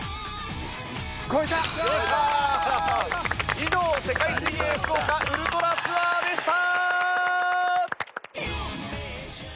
以上世界水泳福岡ウルトラツアーでした！